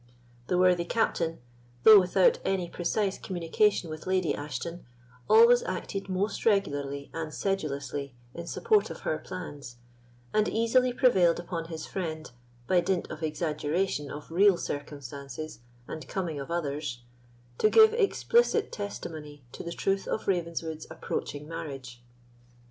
The worthy Captain, though without any precise communication with Lady Ashton, always acted most regularly and sedulously in support of her plans, and easily prevailed upon his friend, by dint of exaggeration of real circumstances and coming of others, to give explicit testimony to the truth of Ravenswood's approaching marriage.